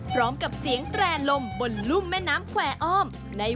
พร้อมกับเสียงแตร่ลมบนรุ่มแม่น้ำแควร์อ้อม